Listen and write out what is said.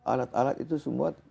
alat alat itu semua